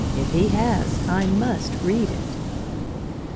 If he has, I must read it!"